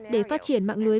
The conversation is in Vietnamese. để phát triển mạng lưới